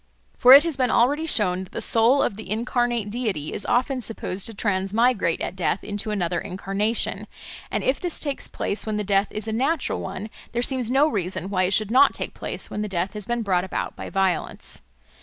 For it has been already shown that the soul of the incarnate deity is often supposed to transmigrate at death into another incarnation; and if this takes place when the death is a natural one, there seems no reason why it should not take place when the death has been brought about by violence.